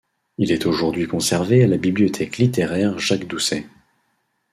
Il est aujourd'hui conservé à la bibliothèque littéraire Jacques-Doucet.